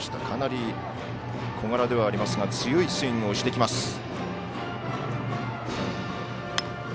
かなり小柄ではありますが強いスイングをしてきます。